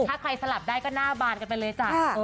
ถ้าใครสลับได้ก็หน้าบานกันไปเลยจ้ะ